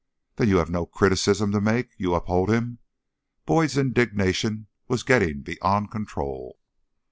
"Then you have no criticism to make you uphold him?" Boyd's indignation was getting beyond control.